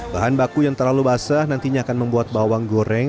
bahan baku yang terlalu basah nantinya akan membuat bawang goreng